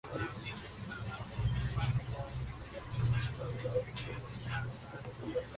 Ella dijo "hice una audición frente a George Lucas, fue increíble".